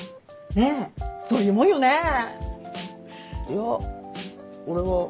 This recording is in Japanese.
ねっそういうもんよね？いや俺は。